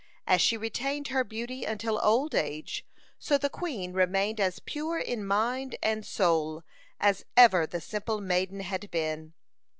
As she retained her beauty until old age, so the queen remained as pure in mind and soul as ever the simple maiden had been.